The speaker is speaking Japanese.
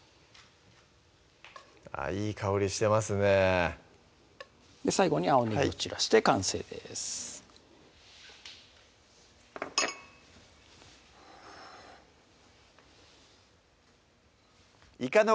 いい香りしてますねぇ最後に青ねぎを散らして完成です「いかの